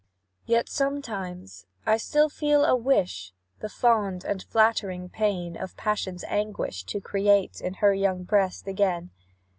"Yet, sometimes, I still feel a wish, The fond and flattering pain Of passion's anguish to create In her young breast again.